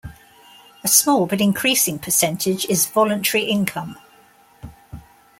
A small but increasing percentage is voluntary income.